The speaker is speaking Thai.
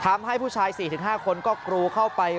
ทำให้ผู้ชาย๔๕คนก็กรูเข้าไป